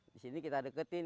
di sini kita deketin